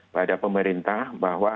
pada pemerintah bahwa